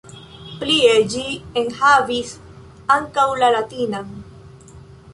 Plie ĝi enhavis ankaŭ la latinan.